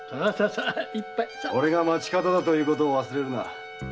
俺が町方だということを忘れるな。